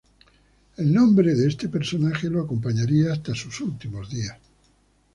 El nombre de este personaje lo acompañaría hasta sus últimos días.